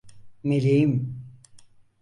Meleğim!